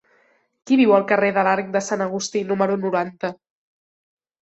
Qui viu al carrer de l'Arc de Sant Agustí número noranta?